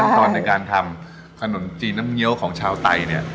ตอนในการทำขนมจีนน้ำเงี้ยวของชาวไตเนี่ย